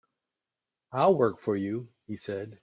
"I'll work for you," he said.